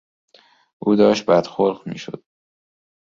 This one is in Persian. او داشت بدخلق میشد.